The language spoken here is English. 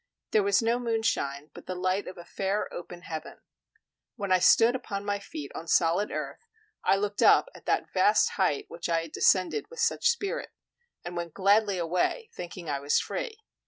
There was no moonshine, but the light of a fair open heaven. When I stood upon my feet on solid earth, I looked up at the vast height which I had descended with such spirit; and went gladly away, thinking I was free.